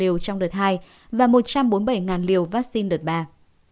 tiếp tục được nhận một trăm ba mươi tám liều trong đợt hai và một trăm bốn mươi bảy liều vaccine đợt ba